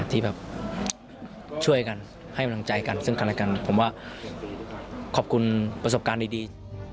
ที่แบบช่วยกันให้กำลังใจกันซึ่งกันและกันผมว่าขอบคุณประสบการณ์ดี